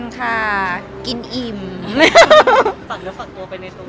ฝักเนื้อฝักตัว